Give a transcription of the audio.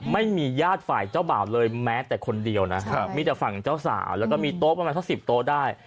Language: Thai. ไม่มีญาติฝ่ายเจ้าบ่าวเลยแม้แต่คนเดียวนะครับมีแต่ฝั่งเจ้าสาวแล้วก็มีโต๊ะประมาณสัก๑๐โต๊ะได้